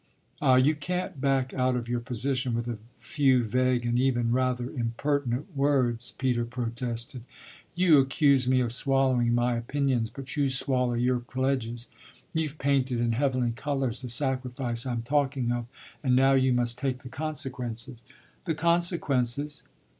"Ah you can't back out of your position with a few vague and even rather impertinent words!" Peter protested. "You accuse me of swallowing my opinions, but you swallow your pledges. You've painted in heavenly colours the sacrifice I'm talking of, and now you must take the consequences." "The consequences?"